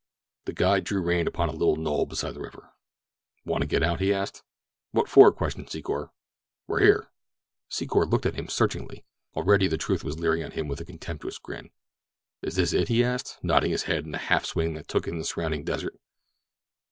The guide drew rein upon a little knoll beside the river. "Wanna get out?" he asked. "What for?" questioned Secor. "We're here." Secor looked at him searchingly. Already the truth was leering at him with a contemptuous grin. "Is this it?" he asked, nodding his head in a half swing that took in the surrounding desert.